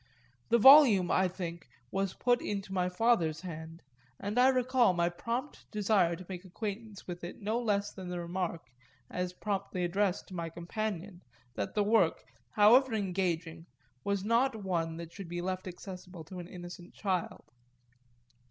The volume, I think, was put into my father's hand, and I recall my prompt desire to make acquaintance with it no less than the remark, as promptly addressed to my companion, that the work, however engaging, was not one that should be left accessible to an innocent child.